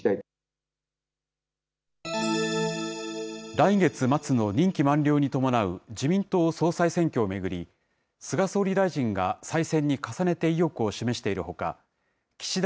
来月末の任期満了に伴う自民党総裁選挙を巡り、菅総理大臣が再選に重ねて意欲を示しているほか、岸田